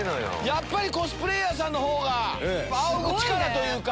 やっぱりコスプレーヤーさんのほうが。